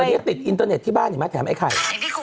เดี๋ยวเนี่ยติดอินเตอร์เน็ตที่บ้านอยู่มาแถมไอ้ไข่